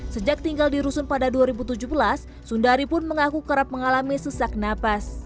sejak tinggal di rusun pada dua ribu tujuh belas sundari pun mengaku kerap mengalami sesak napas